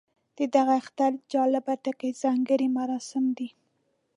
د دغه اختر جالب ټکی ځانګړي مراسم دي.